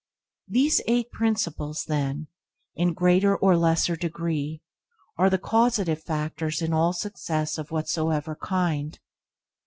These eight principles, then, in greater or lesser degree, are the causative factors in all success of whatsoever kind.